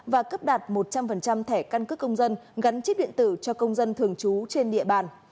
và cấp đạt một trăm linh thẻ căn cước công dân gắn chip điện tử cho công dân thường trú trên địa bàn